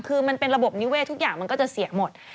คือมันเป็นระบบนิเวศทุกอย่างมันก็จะเสียหมด